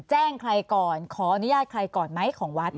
แจ้งใครก่อนขออนุญาตใครก่อนไหมของวัด